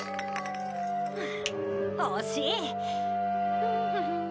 惜しい！